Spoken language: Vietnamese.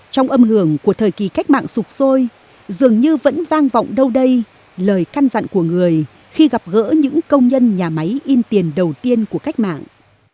trong âm hưởng của thời kỳ cách mạng sụp sôi dường như vẫn vang vọng đâu đây lời căn dặn của người khi gặp gỡ những công nhân nhà máy in tiền đầu tiên của cách mạng